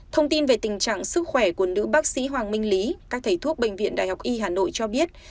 thông tin về tình trạng sức khỏe của nữ bác sĩ hoàng minh lý các thầy thuốc bệnh viện đại học y hà nội cho biết